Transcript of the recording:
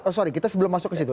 sorry kita sebelum masuk ke situ